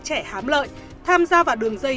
trẻ hám lợi tham gia vào đường dây